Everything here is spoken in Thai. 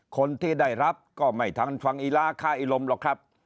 คนที่ได้รับก็ไม่ทันฟังอีลาค่าอีลมหรอกครับ